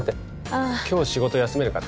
ああ「今日仕事休めるか？」